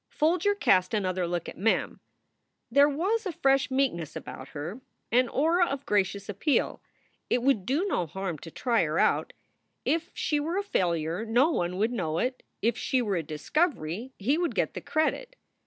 Folger cast another look at Mem. There was a fresh meekness about her, an aura of gracious appeal. It would do no harm to try her out. If she were a failure no one would know it. If she were a discovery, he would get the credit.